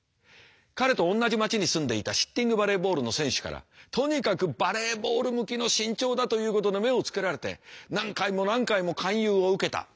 彼と同じ町に住んでいたシッティングバレーボールの選手からとにかくバレーボール向きの身長だということで目をつけられて何回も何回も勧誘を受けた。